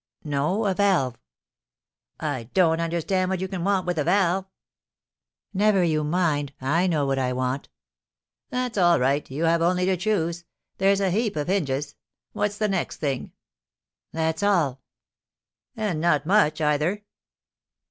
"No, a valve." "I don't understand what you can want with a valve." "Never you mind; I know what I want." "That's all right; you have only to choose; there's a heap of hinges. What's the next thing?" "That's all." "And not much, either."